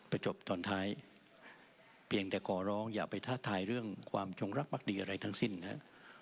จบตอนท้ายเพียงแต่ขอร้องอย่าไปท้าทายเรื่องความจงรักภักดีอะไรทั้งสิ้นนะครับ